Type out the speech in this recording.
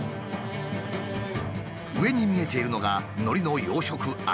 上に見えているのがのりの養殖網。